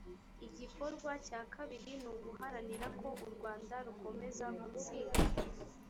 igikorwa cya kabiri ni uguharanira ko u rwanda rukomeza gutsinda